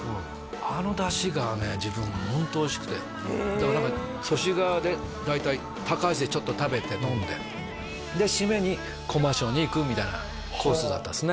あの出汁がね自分ホントおいしくてへえ何か祖師ヶ谷で大体たかはしでちょっと食べて飲んででシメにこましょうに行くみたいなコースだったですね